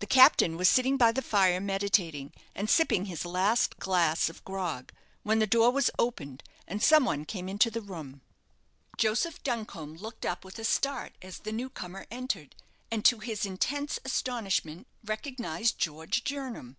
The captain was sitting by the fire meditating, and sipping his last glass of grog, when the door was opened, and some one came into the room. Joseph Duncombe looked up with a start as the new comer entered, and, to his intense astonishment, recognized George Jernam.